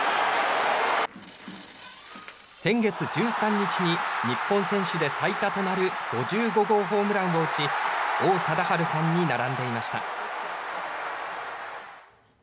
先月１３日に日本選手で最多となる５５号ホームランを打ち王貞治さんに並んでいました。